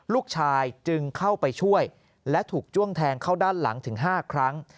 ลูกชายจึงเข้าไปช่วยและถูกจ้วงแทงเข้าด้านหลังถึง๕ครั้ง